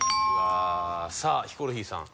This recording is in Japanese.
さあヒコロヒーさん。